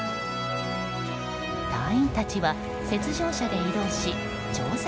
隊員たちは雪上車で移動し調査